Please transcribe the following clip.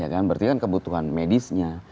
berarti kan kebutuhan medisnya